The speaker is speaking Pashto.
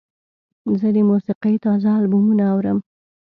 زه د موسیقۍ تازه البومونه اورم.